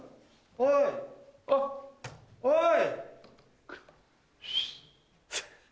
おいおい！